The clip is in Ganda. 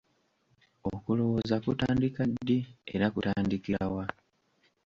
Okulowooza kutandika ddi era kutandikira wa?